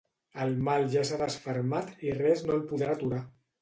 El mal ja s’ha desfermat i res no el podrà aturar.